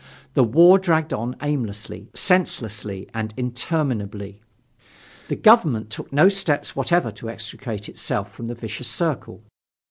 The war dragged on aimlessly, senselessly and interminably. The Government took no steps whatever to extricate itself from the vicious circle.